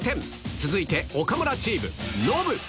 続いて、岡村チーム、ノブ。